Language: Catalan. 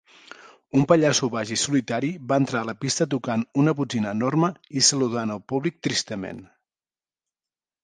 Un pallasso baix i solitari va entrar a la pista tocant una botzina enorme i saludant el públic tristament.